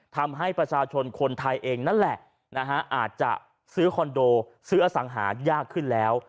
ทำให้ประชาชนคนไทยเองนั่นแหละอาจจะซื้อคอนโดซื้ออสังหายากขึ้นแล้ว